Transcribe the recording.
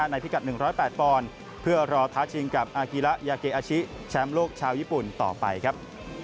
พิกัด๑๐๘ปอนด์เพื่อรอท้าชิงกับอากิระยาเกอาชิแชมป์โลกชาวญี่ปุ่นต่อไปครับ